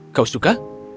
aku akan mencoba